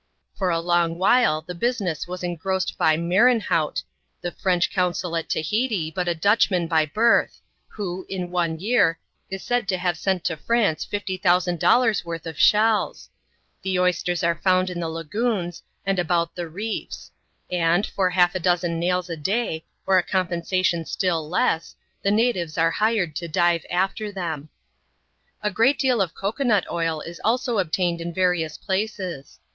For a long while the business was engrossed by Merenhout, the French consul at Tahiti, but a Dutchman by birth, who, in one year, is said to have sent to France fifty thousand dollars' wordi of shells. The oysters are found in the lagoons, and about the reefs ; and, for half a dozen nails a day, or a compen* saticm still less, the natives are hired to dive after them. A great deal of cocoa nut oil is also obtained in various places.